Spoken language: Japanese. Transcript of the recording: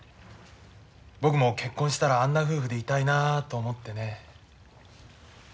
僕も結婚したらあんな夫婦でいたいなあと思ってね。